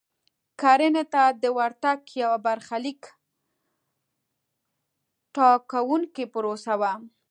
کرنې ته د ورتګ یوه برخلیک ټاکونکې پروسه وه.